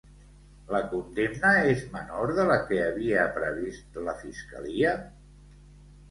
La condemna és menor de la que havia previst la fiscalia?